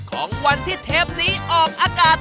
ของวันที่เทปนี้ออกอากาศ